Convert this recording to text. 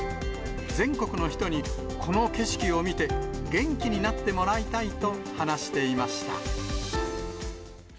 全国の人に、この景色を見て、元気になってもらいたいと話していました。